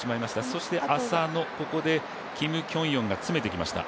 そして浅野、ここでキム・キョンヨンが詰めていきました。